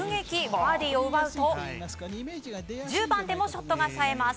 バーディーを奪うと１０番でもショットが冴えます。